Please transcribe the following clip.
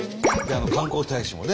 観光大使もね